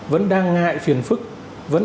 vẫn đang ngại phiền phức vẫn